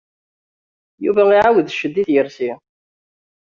Yuba iεawed ccedd i tyersi.